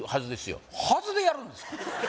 「はず」でやるんですか？